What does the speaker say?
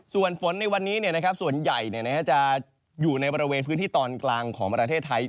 ส่วนฝนในวันนี้ส่วนใหญ่จะอยู่ในบริเวณพื้นที่ตอนกลางของประเทศไทย